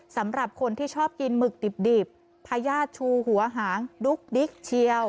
สำหรับคนที่ชอบกินหมึกดิบพญาติชูหัวหางดุ๊กดิ๊กเชียว